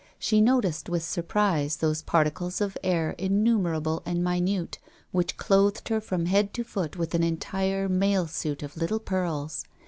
She noticed with surprise those particles of air innumerable and minute which clothed her from head to foot with an entire mail suit of little pearls.